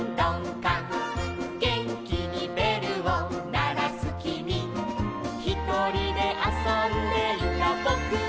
「げんきにべるをならすきみ」「ひとりであそんでいたぼくは」